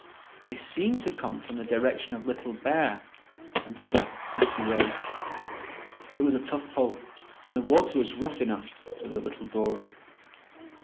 They seemed to come from the direction of Little Bear, and thither Natty rowed. It was a tough pull, and the water was rough enough for the little dory.